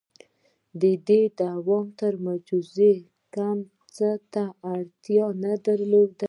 • د دې دوام تر معجزې کم څه ته اړتیا نه درلوده.